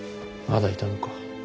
まだいたのか。